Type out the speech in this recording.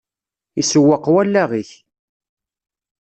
Isewweq wallaɣ-ik.